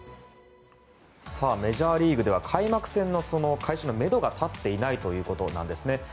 メジャーリーグでは開幕戦の開始のめどが立っていないということなんですね。